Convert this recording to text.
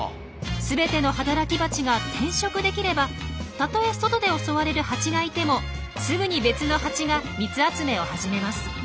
全ての働きバチが転職できればたとえ外で襲われるハチがいてもすぐに別のハチが蜜集めを始めます。